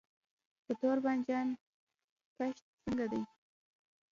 د تور بانجان کښت څنګه دی؟